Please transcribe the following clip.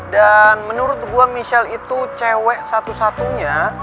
dan menurut gua michelle itu cewek satu satunya